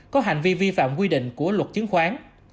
có hành vi vi phạm quy định của luật chứng khoán